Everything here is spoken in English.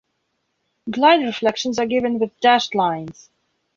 Glide reflections are given with dashed lines.